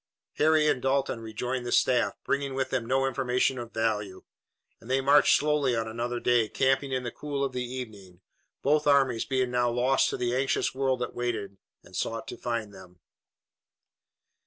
Harry and Dalton rejoined the staff, bringing with them no information of value, and they marched slowly on another day, camping in the cool of the evening, both armies now being lost to the anxious world that waited and sought to find them.